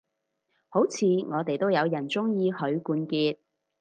好似我哋都有人鍾意許冠傑